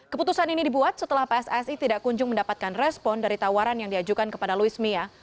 keputusan ini dibuat setelah pssi tidak kunjung mendapatkan respon dari tawaran yang diajukan kepada louis mia